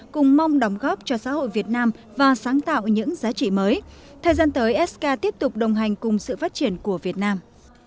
cùng mong đóng góp cho xã hội việt nam và sáng tạo những giá trị mới thời gian tới sk tiếp tục đồng hành cùng sự phát triển của việt nam